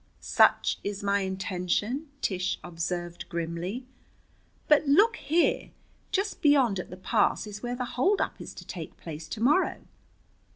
"Such is my intention," Tish observed grimly. "But look here. Just beyond, at the pass, is where the holdup is to take place to morrow."